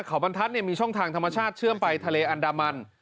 เขาบรรทัศน์มีช่องทางธรรมชาติเชื่อมไปทะเลอันดามัน